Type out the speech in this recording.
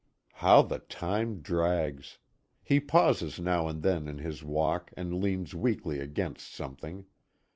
How the time drags! He pauses now and then in his walk, and leans weakly against something.